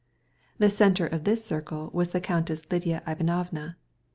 The center of this circle was the Countess Lidia Ivanovna.